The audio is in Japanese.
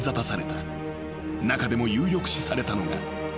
［中でも有力視されたのが］